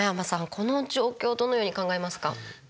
この状況どのように考えますか？